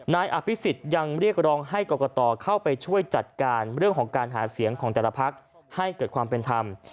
นายอภิษฎยังเรียกร้องให้กรกตเข้าไปช่วยจัดการเรื่องของการหาเสียงของแต่ละพักให้เกิดความเป็นธรรม